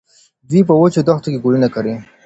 دوی په وچو دښتو کې ګلونه کري.